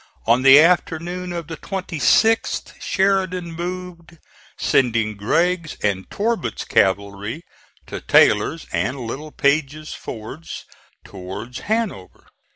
On the afternoon of the 26th Sheridan moved, sending Gregg's and Torbert's cavalry to Taylor's and Littlepage's fords towards Hanover.